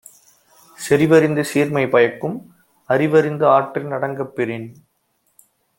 செறிவறிந்து சீர்மை பயக்கும் அறிவறிந்து ஆற்றின் அடங்கப் பெறின்